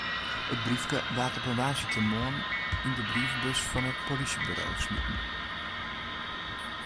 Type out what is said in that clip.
It briefke waard op in woansdeitemoarn yn de brievebus fan it polysjeburo smiten.